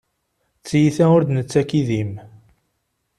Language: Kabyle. D tiyita ur d-nettak idim.